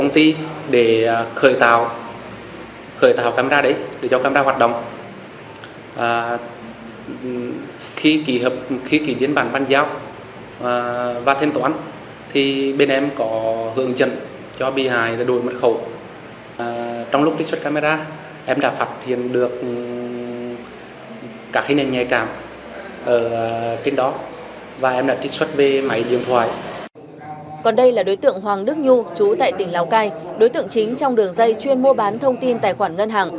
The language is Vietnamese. tại tỉnh lào cai đối tượng chính trong đường dây chuyên mua bán thông tin tài khoản ngân hàng